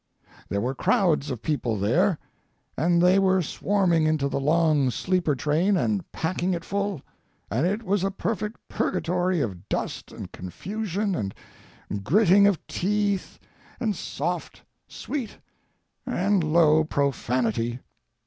There were crowds of people there, and they were swarming into the long sleeper train and packing it full, and it was a perfect purgatory of dust and confusion and gritting of teeth and soft, sweet, and low profanity.